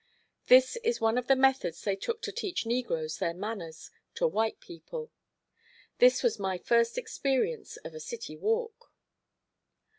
This is one of the methods they took to teach negroes their manners to white people. This was my first experience of a city walk.